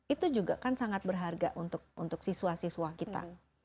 itu juga kan sangat berharga untuk siswa siswa kita